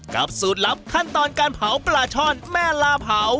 สูตรลับขั้นตอนการเผาปลาช่อนแม่ลาเผา